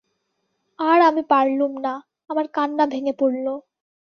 আর আমি পারলুম না, আমার কান্না ভেঙে পড়ল।